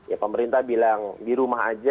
ya pemerintah bilang di rumah aja